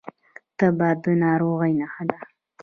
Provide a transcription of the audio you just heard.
تبه د ناروغۍ نښه ده